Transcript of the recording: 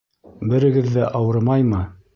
Берегеҙ ҙә ауырымаймы?